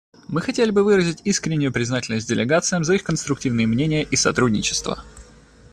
Мы хотели бы выразить искреннюю признательность делегациям за их конструктивные мнения и сотрудничество.